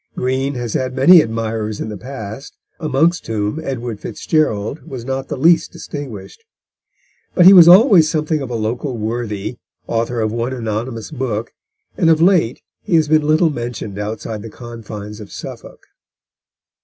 Green has had many admirers in the past, amongst whom Edward FitzGerald was not the least distinguished. But he was always something of a local worthy, author of one anonymous book, and of late he has been little mentioned outside the confines of Suffolk.